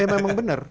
eh memang benar